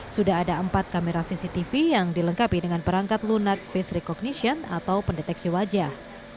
sudah ada empat kamera cctv yang dilengkapi dengan perangkat lunak face recognition atau pendeteksi wajah